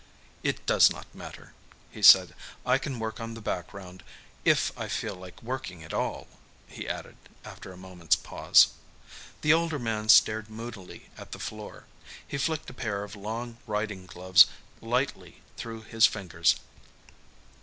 "It does not matter," he said. "I can work on the background if I feel like working at all," he added, after a moment's pause. The older man stared moodily at the floor. He flicked a pair of long riding gloves lightly through his fingers.